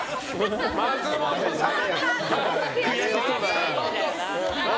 松本さん！